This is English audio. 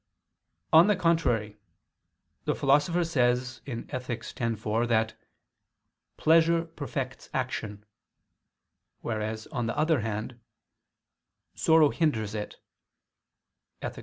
On the contrary, The Philosopher says (Ethic. x, 4) that "pleasure perfects action," whereas on the other hand, "sorrow hinders it" (Ethic.